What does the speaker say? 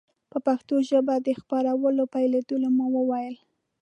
په پښتو ژبه د خپرونو پیلېدو مو وویل.